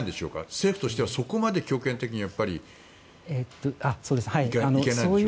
政府としては、そこまで強権的にはいけないでしょうか。